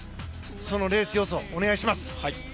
そのレース予想をお願いします。